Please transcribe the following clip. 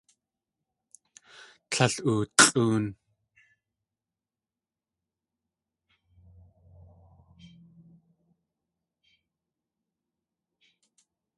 Tlél oolʼóon.